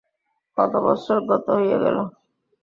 কত বৎসর গত হইয়া গেল।